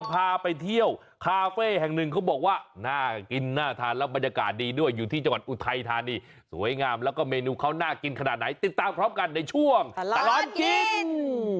พาไปเที่ยวคาเฟ่แห่งหนึ่งเขาบอกว่าน่ากินน่าทานแล้วบรรยากาศดีด้วยอยู่ที่จังหวัดอุทัยธานีสวยงามแล้วก็เมนูเขาน่ากินขนาดไหนติดตามพร้อมกันในช่วงตลอดกิน